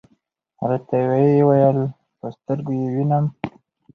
راته وې ویل: په سترګو یې وینم .